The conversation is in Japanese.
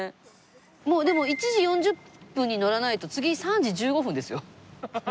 もうでも１時４０分に乗らないと次３時１５分ですよ。